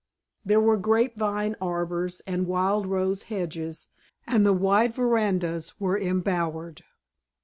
There were grape vine arbors and wild rose hedges, and the wide verandas were embowered.